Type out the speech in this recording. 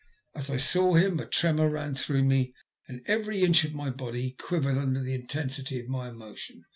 As I saw him a tremoor ran through me, and every inch of my body quivered under the intensity of my emotion.